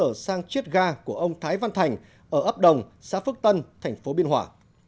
cơ sở sang chiết gà của ông thái văn thành ở ấp đồng xã phước tân tp biên hòa